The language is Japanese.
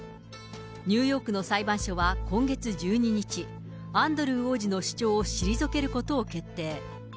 ニューヨークの裁判所は今月１２日、アンドルー王子の主張を退けることを決定。